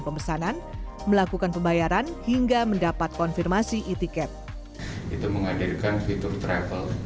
pemesanan melakukan pembayaran hingga mendapat konfirmasi e ticket itu menghadirkan fitur travel